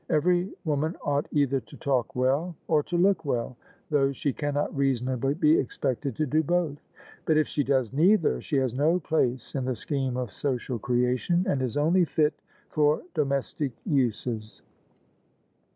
Every woman ought either to talk well or to look well, though she cannot reasonably be expected to do both: but if she does neither, she has no place in the scheme of social creation, and is only fit for domestic uses.